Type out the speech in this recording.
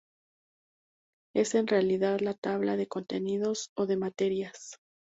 Es en realidad la tabla de contenidos o de materias.